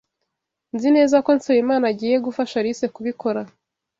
Nzi neza ko Nsabimana agiye gufasha Alice kubikora.